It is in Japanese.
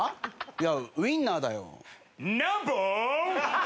いやウィンナーだよ。